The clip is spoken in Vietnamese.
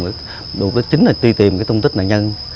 điều đó chính là tuy tìm cái tung tích nạn nhân